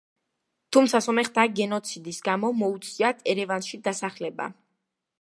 თუმცა სომეხთა გენოციდის გამო მოუწიათ ერევანში დასახლება.